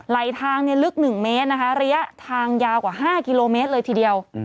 ไหลทางลึก๑เมตรนะคะระยะทางยาวกว่า๕กิโลเมตรเลยทีเดียว